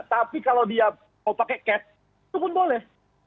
tapi kalau dia mau pakai cat itu pun boleh